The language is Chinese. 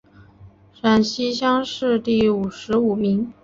陕西乡试第五十五名。